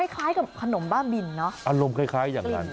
คล้ายกับขนมบ้าบินเนาะอารมณ์คล้ายอย่างนั้น